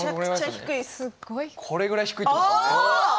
これぐらい低いということですよね。